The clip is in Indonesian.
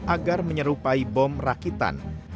agar menyerupai bom rakitan